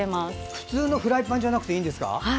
普通のフライパンじゃなくていいんですか？